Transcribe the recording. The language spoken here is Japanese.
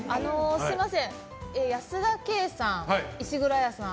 すみません、保田圭さん石黒彩さん